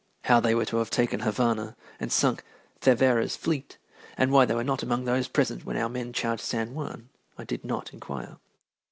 How they were to have taken Havana, and sunk Cervera's fleet, and why they were not among those present when our men charged San Juan, I did not inquire.